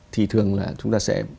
thì thường là chúng ta sẽ